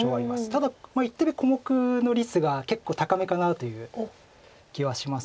ただ１手目小目の率が結構高めかなという気はします。